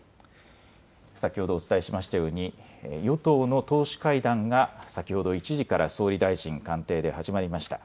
先ほどお伝えしましたように与党の党首会談が先ほど１時から総理大臣官邸で始まりました。